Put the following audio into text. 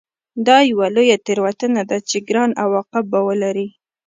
دا یوه لویه تېروتنه ده چې ګران عواقب به ولري